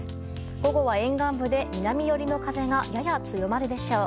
午後は沿岸部で南寄りの風がやや強まるでしょう。